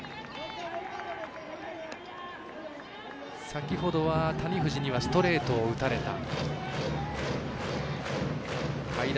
先ほどは、谷藤にはストレートを打たれた。